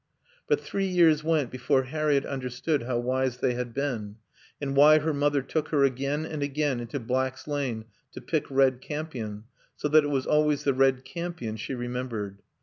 But three years went before Harriett understood how wise they had been, and why her mother took her again and again into Black's Lane to pick red campion, so that it was always the red campion she remembered.